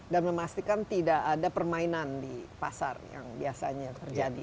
dan memastikan tidak ada permainan di pasar yang biasanya terjadi